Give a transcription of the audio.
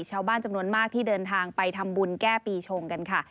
ชาวบ้านจำนวนมากที่เดินทางไปทำบุญแก้ปีชงกันค่ะ